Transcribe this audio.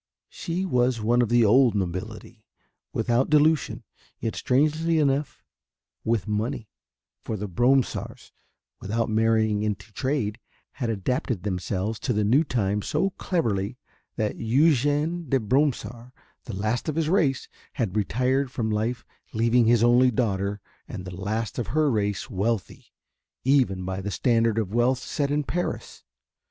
She was one of the old nobility, without dilution, yet strangely enough with money, for the Bromsarts, without marrying into trade, had adapted themselves to the new times so cleverly that Eugène de Bromsart the last of his race had retired from life leaving his only daughter and the last of her race wealthy, even by the standard of wealth set in Paris.